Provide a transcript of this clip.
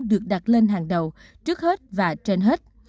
được đặt lên hàng đầu trước hết và trên hết